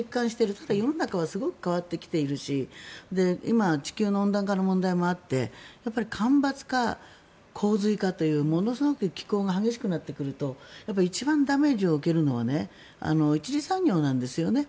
ただ、世の中はすごく変わってきているし今、地球温暖化の問題もあって干ばつ化、洪水化というものすごく気候が激しくなってくると一番ダメージを受けるのは１次産業なんですよね。